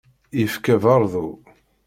Yefka baṛdu.